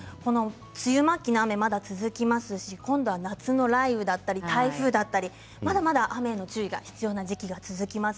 梅雨末期の雨、まだ続きますし今度は夏の雷雨だったり台風だったり、まだまだ雨への注意が必要な時期が続きます。